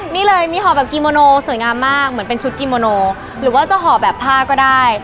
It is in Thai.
นี่เลยมีห่อแบบกิโมโนสวยงามมากเหมือนเป็นชุดกิโมโนหรือว่าจะห่อแบบผ้าก็ได้